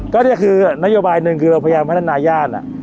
ก็นี่คือนโยบายหนึ่งคือเราพยายามพัฒนาญาติ